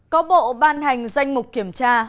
có bộ ban hành danh mục kiểm tra